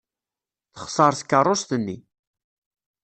Texṣer tkeṛṛust-nni.